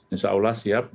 insya allah siap